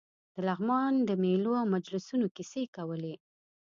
د لغمان د مېلو او مجلسونو کیسې کولې.